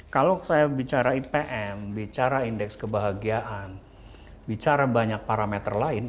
kalau saya bicara ipm bicara indeks kebahagiaan bicara banyak parameter lain